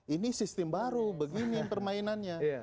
ini sistem baru begini permainannya